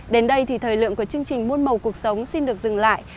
đến đây thì thời lượng của chương trình môn mầu cuộc sống xin được dừng lại